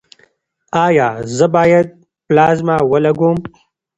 ایا زه باید پلازما ولګوم؟